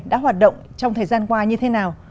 đã hoạt động trong thời gian qua như thế nào